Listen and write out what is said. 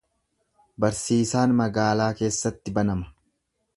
Barsiisaan magaalaa keessatti banama.